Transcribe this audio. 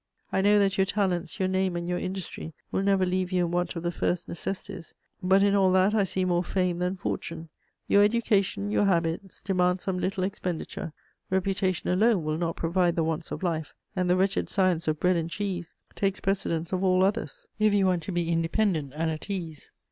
I know that your talents, your name and your industry will never leave you in want of the first necessities; but in all that I see more fame than fortune. Your education, your habits, demand some little expenditure. Reputation alone will not provide the wants of life, and the wretched science of 'bread and cheese' takes precedence of all others, if you want to be independent and at ease.